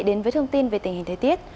đến với thông tin về tình hình thời tiết